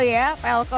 untuk abs atas